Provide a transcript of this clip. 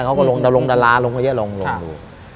เขาก็ลงดาราลงกันเยอะลองดู